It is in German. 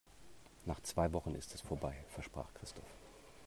Nach zwei Wochen ist es vorbei, versprach Christoph.